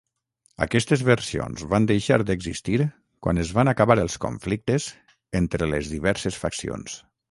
Aquestes versions van deixar d'existir quan es van acabar els conflictes entre les diverses faccions.